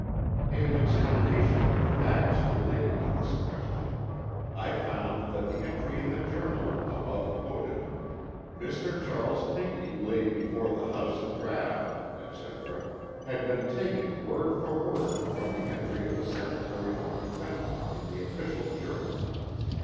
In an examination of the facts relating to this question I found that the entry in the journal, above quoted, "Mr. Charles Pinckney laid before the house a draught" etc. had been taken word for word from the entry of the Secretary of the Convention in the official Journal.